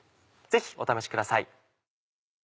ぜひお試しください。